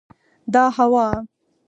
دا هوا